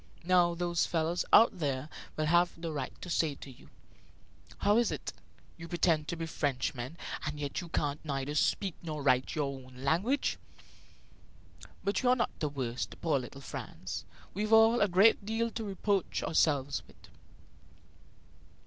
Now those fellows out there will have the right to say to you: 'How is it; you pretend to be Frenchmen, and yet you can neither speak nor write your own language?' But you are not the worst, poor little Franz. We've all a great deal to reproach ourselves with.